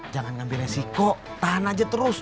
jangan ngambil resiko tahan aja terus